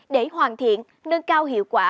để hoàn thiện nâng cao hiệu quả